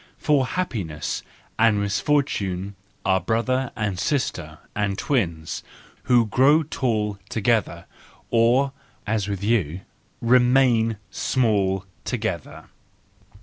—for happiness and misfortune are brother and sister, and twins, who grow tall together, or, as with you, remain small together!